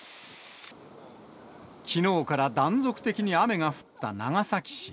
きのうから断続的に雨が降った長崎市。